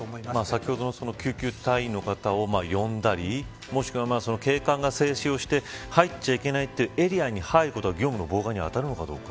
先ほどの救急隊員の方を呼んだりもしくは、警官が制止をして入ってはいけないというエリアに入ることは業務の妨害に当たるんですか。